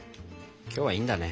今日はいいんだね。